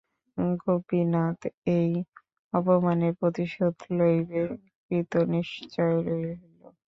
গোপীনাথ এই অপমানের প্রতিশোধ লইতে কৃতনিশ্চয় হইল।